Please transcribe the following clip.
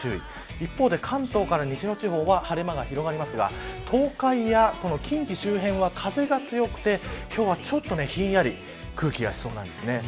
一方で関東から西の地方は晴れ間が広がりますが東海や近畿周辺は風が強くて今日は、ちょっとひんやり空気になりそうなんですね。